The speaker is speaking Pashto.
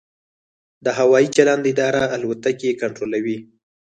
د هوايي چلند اداره الوتکې کنټرولوي؟